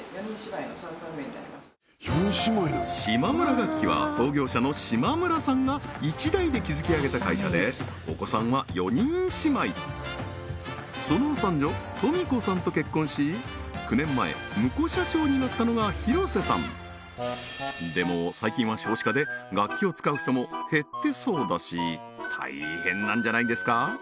島村楽器は創業者の島村さんが１代で築き上げた会社でお子さんは４人姉妹その三女都充子さんと結婚し９年前ムコ社長になったのが廣瀬さんでも最近は少子化で楽器を使う人も減ってそうだし大変なんじゃないですか？